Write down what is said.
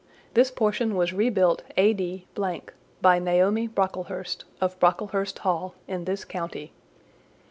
This portion was rebuilt A.D. ——, by Naomi Brocklehurst, of Brocklehurst Hall, in this county.